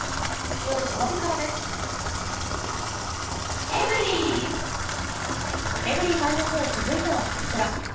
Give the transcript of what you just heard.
夜７時かエブリィタイム４、続いてはこちら。